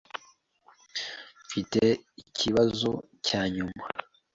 Mfite ikibazo cyanyuma.